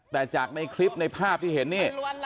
แต่จากในคลิปในภาพที่เห็นนี่